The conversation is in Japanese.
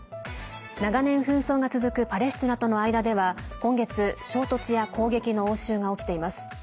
長年、紛争が続くパレスチナとの間では今月、衝突や攻撃の応酬が起きています。